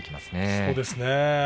そうですね。